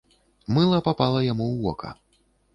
Мыла папала яму ў вока.